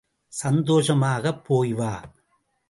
சந்தோஷமாகப் போய் வா.